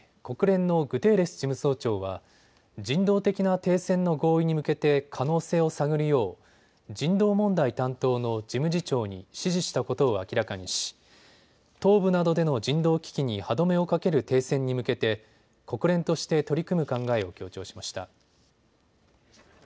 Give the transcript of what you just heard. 国連のグテーレス事務総長は人道的な停戦の合意に向けて可能性を探るよう人道問題担当の事務次長に指示したことを明らかにし東部などでの人道危機に歯止めをかける停戦に向けて国連として取り組む考えを強調しました。